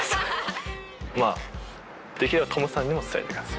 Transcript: まあできればトムさんにも伝えてください。